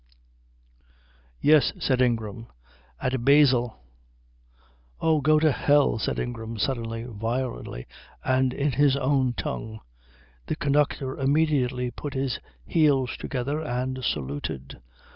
"Yes," said Ingram. "At Basel " "Oh, go to hell!" said Ingram, suddenly, violently, and in his own tongue. The conductor immediately put his heels together and saluted.